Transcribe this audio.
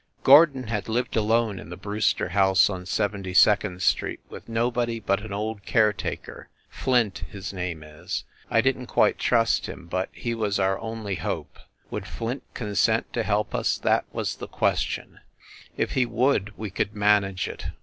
... Gordon had lived alone in the Brewster house on Seventy second Street, with nobody but an old care taker Flint, his name is I didn t quite trust him, but he was our only hope. Would Flint consent to help us? That was the question; if he would, we could manage it.